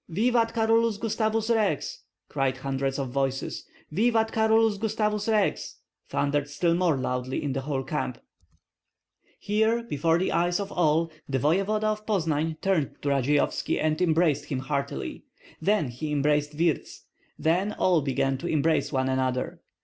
"Vivat Carolus Gustavus Rex!" cried hundreds of voices. "Vivat Carolus Gustavus Rex!" thundered still more loudly in the whole camp. Here, before the eyes of all, the voevoda of Poznan turned to Radzeyovski and embraced him heartily; then he embraced Wirtz; then all began to embrace one another.